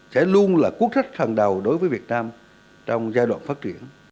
sẽ luôn là quốc sách hàng đầu đối với việt nam trong giai đoạn phát triển